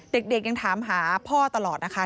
เด็กยังถามหาพ่อตลอดนะคะ